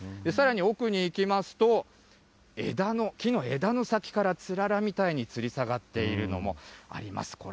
さらに奥に行きますと、木の枝の先からつららみたいにつり下がっているのもあります。